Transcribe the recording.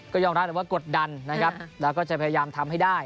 ก็ยอมรับแหละว่ากดดันนะครับแล้วก็จะพยายามทำให้ได้